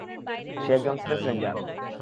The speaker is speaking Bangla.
সে একজন স্পেস রেঞ্জার।